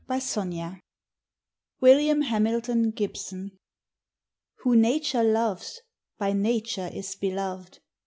'" WILLIAM HAMILTON GIBSON Who Nature loves by Nature is beloved.